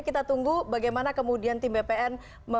kita tunggu bagaimana kemudian tim bpn